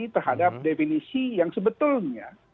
terhadap definisi yang sebetulnya